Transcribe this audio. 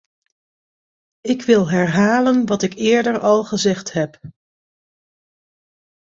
Ik wil herhalen wat ik eerder al gezegd heb.